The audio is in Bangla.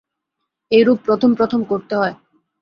এইরূপ প্রথম প্রথম করতে হয়।